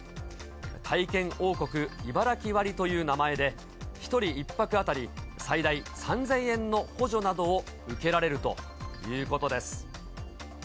体験王国いばらき割という名前で、１人１泊当たり最大３０００円の補助などを受けられるということです。